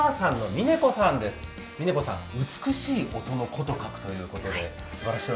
美音子さん、美しい音の子と書くという。